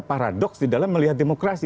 dia punya sikap sikap dalam melihat demokrasi